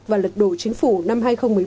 và lật đổ chính phủ năm hai nghìn một mươi bốn